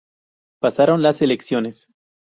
Pasaron las elecciones.